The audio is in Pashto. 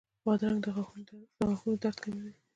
بادرنګ د غاښونو درد کموي.